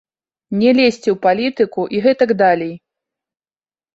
Не лезці ў палітыку і гэтак далей.